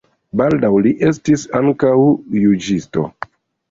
Baldaŭ li estis ankaŭ juĝisto.